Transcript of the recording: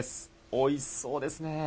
おいしそうですね。